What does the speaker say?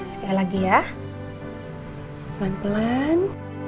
sekali lagi ya pelan pelan